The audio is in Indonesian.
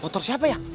motor siapa jak